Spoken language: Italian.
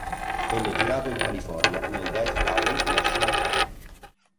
Venne girato in California, nel Death Valley National Park.